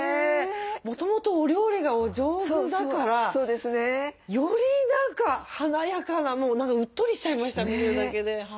もともとお料理がお上手だからより何か華やかなもう何かうっとりしちゃいました見るだけで。